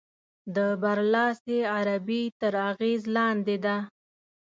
د برلاسې عربي تر اغېز لاندې ده.